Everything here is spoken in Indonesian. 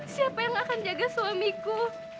siapa yang akan jaga suamiku